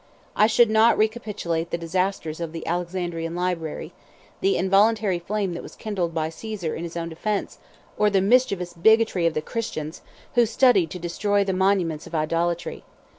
I should not recapitulate the disasters of the Alexandrian library, the involuntary flame that was kindled by Caesar in his own defence, 119 or the mischievous bigotry of the Christians, who studied to destroy the monuments of idolatry.